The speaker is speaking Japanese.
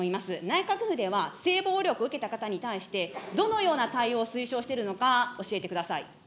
内閣府では性暴力を受けた方に対して、どのような対応を推奨しているのか、教えてください。